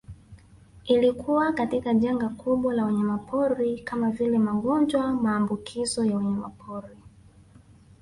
Ilikuwa katika janga kubwa la wanyamapori kama vile magonjwa maambukizo ya wanyamapori